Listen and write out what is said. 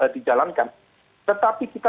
dijalankan tetapi kita